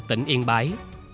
tỉnh yên bái